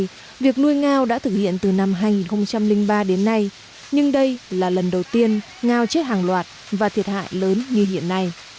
vì vậy việc nuôi ngao đã thực hiện từ năm hai nghìn ba đến nay nhưng đây là lần đầu tiên ngao chết hàng loạt và thiệt hại lớn như hiện nay